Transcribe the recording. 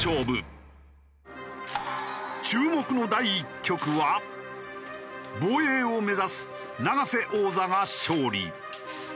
注目の第１局は防衛を目指す永瀬王座が勝利。